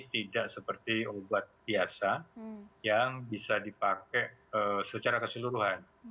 tidak seperti obat biasa yang bisa dipakai secara keseluruhan